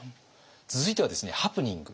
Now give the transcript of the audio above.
続いてはですねハプニング。